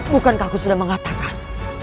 bukankah aku sudah mengatakan